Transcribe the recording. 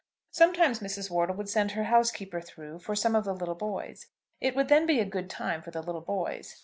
Sometimes Mrs. Wortle would send her housekeeper through for some of the little boys. It would then be a good time for the little boys.